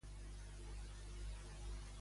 Per què estava molest?